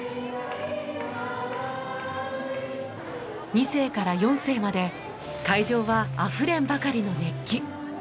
２世から４世まで会場はあふれんばかりの熱気。